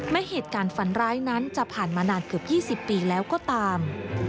เหตุการณ์ฝันร้ายนั้นจะผ่านมานานเกือบ๒๐ปีแล้วก็ตาม